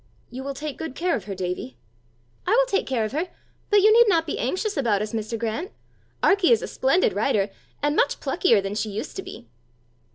"You will take good care of her, Davie?" "I will take care of her, but you need not be anxious about us, Mr. Grant. Arkie is a splendid rider, and much pluckier than she used to be!"